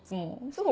そう？